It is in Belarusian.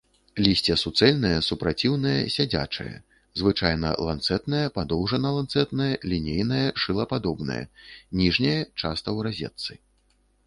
Лісце суцэльнае, супраціўнае, сядзячае, звычайна ланцэтнае, падоўжана-ланцэтнае, лінейнае, шылападобнае, ніжняе часта ў разетцы.